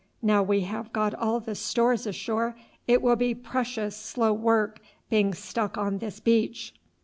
Now we have got all the stores ashore it will be precious slow work being stuck on this beach."